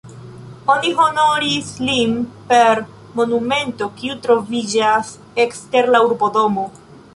Oni honoris lin per monumento, kiu troviĝas ekster la urbodomo.